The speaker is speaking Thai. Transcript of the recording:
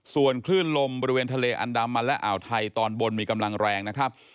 ส่วนคลื่นลมบริเวณทะเลอันดามันและอ่าวไทยตอนบนมีกำลังแรงนะครับ